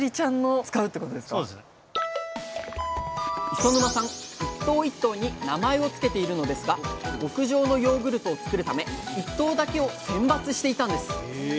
磯沼さん一頭一頭に名前を付けているのですが極上のヨーグルトを作るため１頭だけを選抜していたんです！